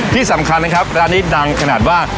ที่สำคัญนะครับร้านนี้ดังขนาดว่า